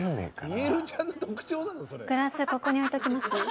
グラスここに置いておきますね。